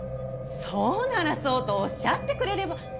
そうならそうとおっしゃってくれれば。